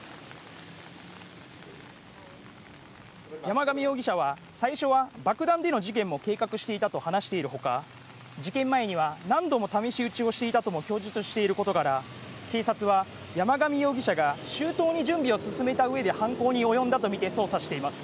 山上容疑者は最初は爆弾での事件も計画していたと話しているほか、事件前には何度も試し撃ちをしていたとも供述していることから、警察は山上容疑者が周到に準備を進めた上で犯行におよんだとみて捜査しています。